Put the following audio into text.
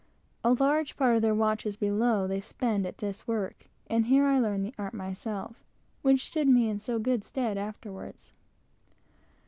A large part of their watches below they spend at this work, and here I learned that art which stood me in so good stead afterwards.